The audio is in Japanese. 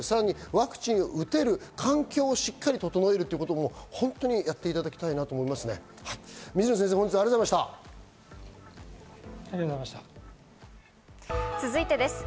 ワクチンを打てる環境をしっかり整えるということを本当にやっていただきたいなと思いますね。